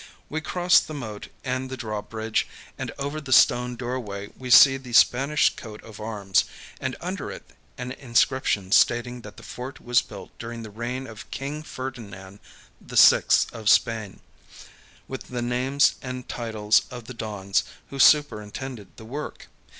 We cross the moat and the drawbridge, and over the stone door way we see the Spanish coat of arms, and under it an inscription stating that the fort was built during the reign of King Ferdinand VI of Spain, with the names and titles of the dons who superintended the work.